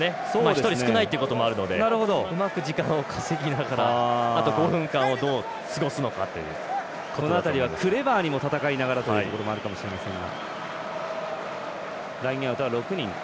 １人、少ないっていうこともあるのでうまく時間を稼ぎながらあと５分間をこの辺りはクレバーにも戦いながらということでもあるかもしれません。